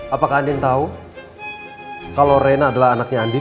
apakah andin tahu kalau reina adalah anaknya andin